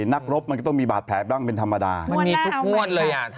นักรบมันก็ต้องมีบาดแผลบ้างเป็นธรรมดามันมีทุกงวดเลยอ่ะ